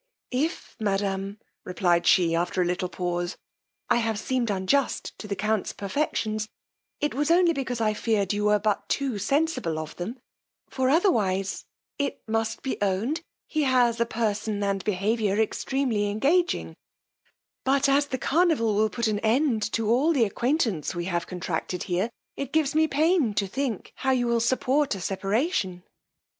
If, madam, replied she, after a little pause, I have seemed unjust to the count's perfections, it was only because I feared you were but too sensible of them; for otherwise, it must be owned, he has a person and behaviour extremely engaging; but as the carnival will put an end to all the acquaintance we have contracted here, it gives me pain to think how you will support a separation.